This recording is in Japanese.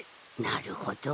なるほど。